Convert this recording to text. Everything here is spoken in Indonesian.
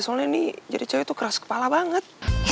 soalnya nih jadi cowok tuh keras kepala banget